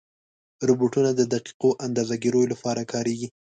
روبوټونه د دقیقو اندازهګیرو لپاره کارېږي.